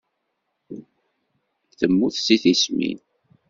Temmut seg tismin.